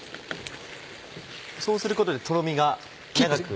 そうすることでとろみが長く。